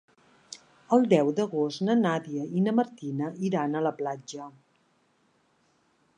El deu d'agost na Nàdia i na Martina iran a la platja.